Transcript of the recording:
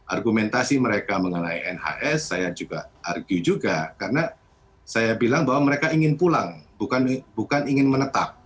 argumentasi mereka mengenai nhs saya juga argue juga karena saya bilang bahwa mereka ingin pulang bukan ingin menetap